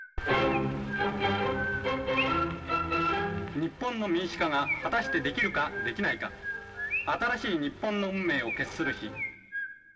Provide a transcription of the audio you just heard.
日本の民主化が果たしてできるか、できないか、新しい日本の運命を決する日。